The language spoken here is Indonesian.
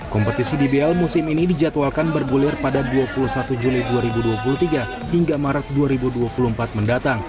kompetisi dbl musim ini dijadwalkan bergulir pada dua puluh satu juli dua ribu dua puluh tiga hingga maret dua ribu dua puluh empat mendatang